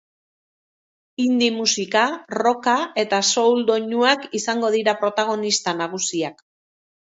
Indie musika, rocka eta soul doinuak izango dira protagonista nagusiak.